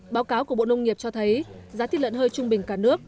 báo cáo của bộ nông nghiệp cho thấy giá thịt lợn hơi trung bình cả nước